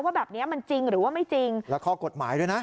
ว่าแบบเนี้ยมันจริงหรือว่าไม่จริงแล้วข้อกฎหมายด้วยนะ